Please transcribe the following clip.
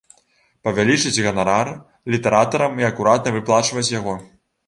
Павялічыць ганарар літаратарам і акуратна выплачваць яго.